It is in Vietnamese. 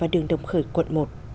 trong khởi quận một